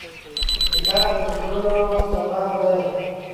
کتاب د فکرونو سفر دی.